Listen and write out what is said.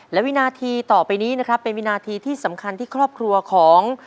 และวินาทีต่อไปนี้นะครับเป็นวินาทีที่สำคัญที่ครอบครัวของ